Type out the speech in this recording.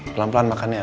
pelan pelan makan ya